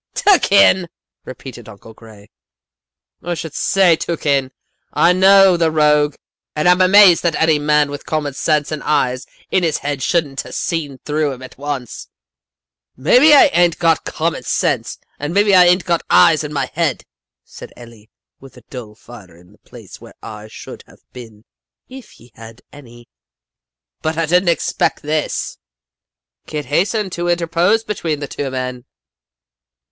"'Took in!' repeated Uncle Gray. 'I should say, took in! I know the rogue and I'm amazed that any man with common sense and eyes in his head shouldn't 'a' seen through him at once.' "'Maybe I ain't got common sense, and maybe I ain't got eyes in my head,' said Eli, with a dull fire in the place where eyes should have been if he had had any. 'But I didn't expect this.' "Kit hastened to interpose between the two men."